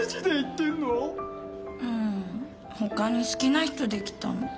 うん他に好きな人できたの。